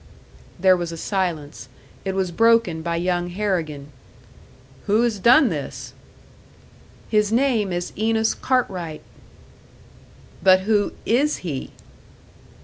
There was a silence. It was broken by young Harrigan. "Who has done this?" "His name is Enos Cartwright." "But who is he?"